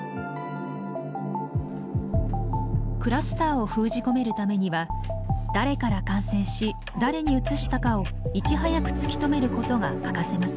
クラスターを封じ込めるためには誰から感染し誰にうつしたかをいち早く突き止めることが欠かせません。